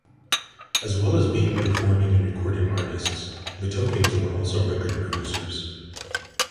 As well as being performing and recording artists The Tokens were also record producers.